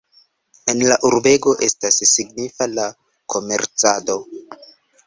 En la urbego estas signifa la komercado.